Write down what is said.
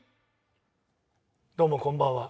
どうもこんばんは。